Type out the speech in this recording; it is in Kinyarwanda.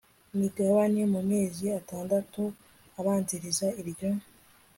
migabane mu mezi atandatu abanziriza iryo